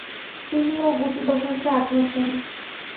তিনি ও গুটিবসন্তে আক্রান্ত হন।